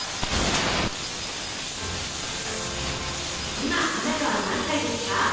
今あなたは何歳ですか？